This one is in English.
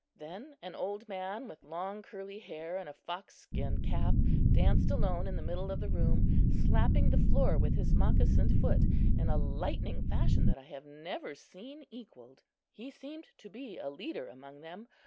Then an old man with long curly hair and a fox skin cap danced alone in the middle of the room, slapping the floor with his moccasined foot in a lightning fashion that I have never seen equalled. He seemed to be a leader among them.